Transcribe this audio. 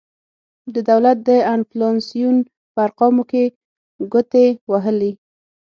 د دولت د انفلاسیون په ارقامو کې ګوتې وهلي.